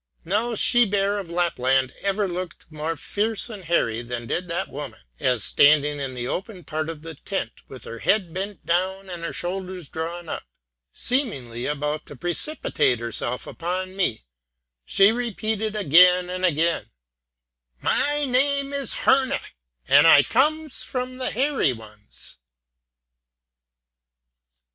No she bear of Lapland ever looked more fierce and hairy than did that woman, as standing in the open part of the tent, with her head bent down and her shoulders drawn up, seemingly about to precipitate herself upon me, she repeated again and again "My name is Herne, and I comes of the Hairy Ones!"